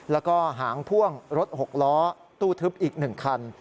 แล้วก็หางพ่วงรถ๖ล้อตู้ทึบอีก๑คัน